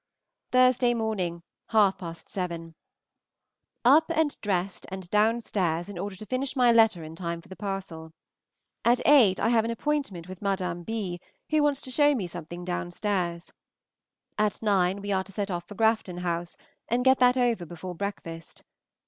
Thursday Morning, half past Seven. Up and dressed and downstairs in order to finish my letter in time for the parcel. At eight I have an appointment with Madame B., who wants to show me something downstairs. At nine we are to set off for Grafton House, and get that over before breakfast.